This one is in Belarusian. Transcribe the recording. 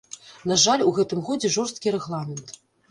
На жаль, у гэтым годзе жорсткі рэгламент.